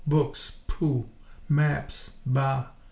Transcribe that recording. Books!! Pooh! Maps! BAH!!